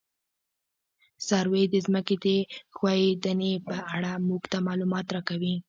سروې د ځمکې د ښوېدنې په اړه موږ ته معلومات راکوي